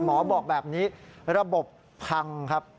หมอบอกแบบนี้ระบบพังครับ